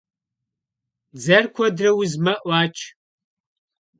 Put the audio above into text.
Дзэр куэдрэ узмэ — Ӏуач.